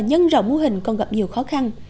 nhân rộng mô hình còn gặp nhiều khó khăn